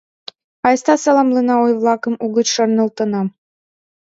...Айста саламлыме ой-влакым угыч шарналтена.